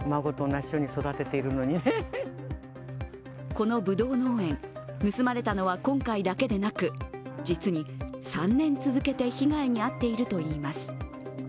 このぶどう農園、盗まれたのは今回だけでなく、実に３年続けて被害に遭っているといいます。